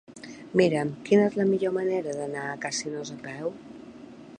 Mira'm quina és la millor manera d'anar a Casinos a peu.